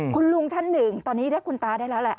คุณลุงท่านหนึ่งตอนนี้เรียกคุณตาได้แล้วแหละ